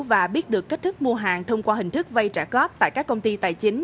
và biết được cách thức mua hàng thông qua hình thức vay trả góp tại các công ty tài chính